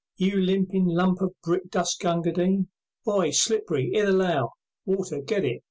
You limpin' lump of brick dust, Gunga Din! Hi! Slippery hitherao, Water, get it!